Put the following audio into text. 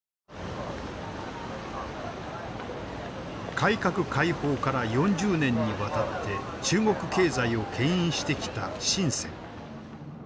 改革開放から４０年にわたって中国経済をけん引してきた深。